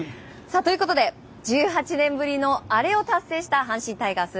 ということで１８年ぶりのアレを達成した阪神タイガース。